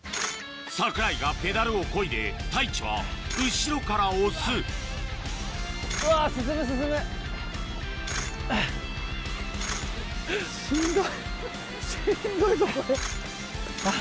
櫻井がペダルをこいで太一は後ろから押すはぁはぁ。